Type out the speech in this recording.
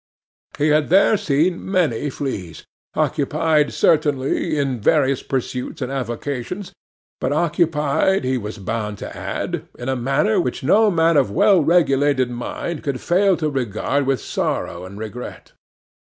He had there seen many fleas, occupied certainly in various pursuits and avocations, but occupied, he was bound to add, in a manner which no man of well regulated mind could fail to regard with sorrow and regret.